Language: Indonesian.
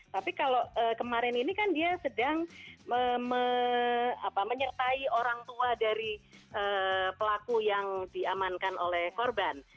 tapi kalau kemarin ini kan dia sedang menyertai orang tua dari pelaku yang diamankan oleh korban